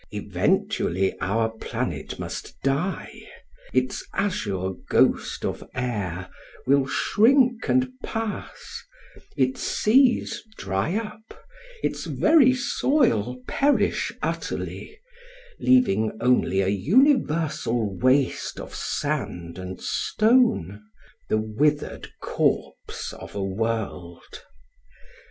Eventually our planet must die : its azure ghost of air will shrink and pass, its seas dry up, its very soil perish utterly, leaving only a universal waste of sand and stone — the withered corpse of a world.